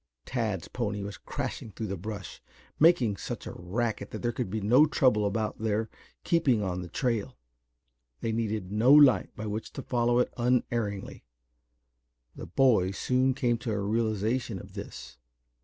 Tad's pony was crashing through the brush, making such a racket that there could be no trouble about their keeping on the trail. They needed no light by which to follow it unerringly. The boy soon came to a realization of this.